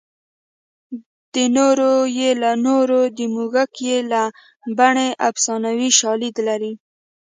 د نورو یې له نورو د موږک یې له بنۍ افسانوي شالید لري